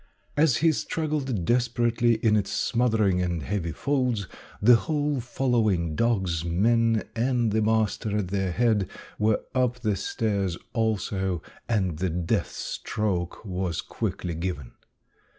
As he struggled desperately in its smothering and heavy folds, the whole following dogs, men and the master at their head, were up the stairs also, and the death stroke was quickly given.